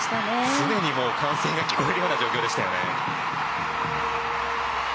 常に歓声が聞こえるような状況でしたよね。